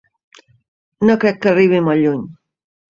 No crec que arribi molt lluny.